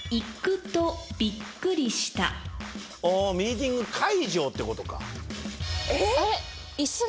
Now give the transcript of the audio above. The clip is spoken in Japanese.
ミーティング会場ってことか。